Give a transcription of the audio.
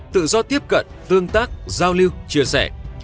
tự do tiếp cận tương tác giao lưu chia sẻ